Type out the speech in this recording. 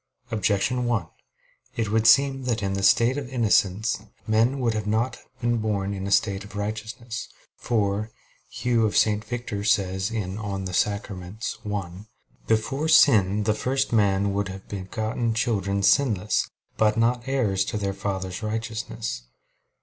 Objection 1: It would seem that in the state of innocence men would not have been born in a state of righteousness. For Hugh of St. Victor says (De Sacram. i): "Before sin the first man would have begotten children sinless; but not heirs to their father's righteousness."